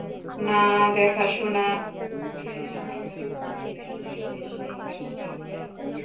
না, দেখাশুনা করিয়া আবার চলিয়া যাইবে সেই কাশী গয়া?